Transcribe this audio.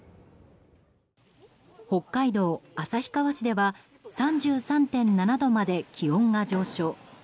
北海道旭川市では３３．７度まで気温が上昇。